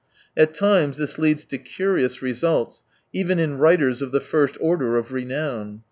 At times this leads to curious results, even in writers of the first order of renown.